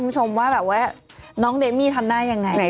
คุณผู้ชมว่าแบบว่าน้องเดมี่ทันได้อย่างไร